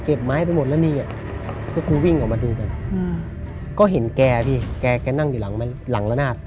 เก็บไม้ไปหมดแล้วนี่เพื่อคุณวิ่งออกมาดูกันก็เห็นแกพี่แกนั่งอยู่หลังมาละนาด